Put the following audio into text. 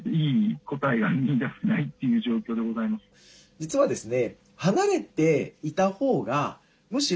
実はですね